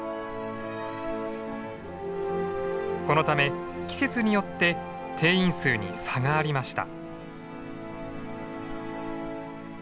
このため季節によって定員数に差がありました。